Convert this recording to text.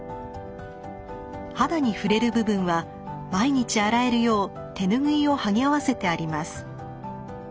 肌に触れる部分は毎日洗えるよう手ぬぐいをはぎ合わせてあります。